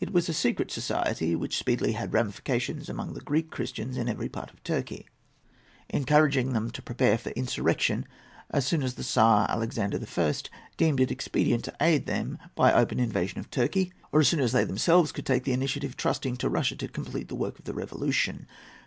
It was a secret society, which speedily had ramifications among the Greek Christians in every part of Turkey, encouraging them to prepare for insurrection as soon as the Czar Alexander I. deemed it expedient to aid them by open invasion of Turkey, or as soon as they themselves could take the initiative, trusting to Russia to complete the work of revolution.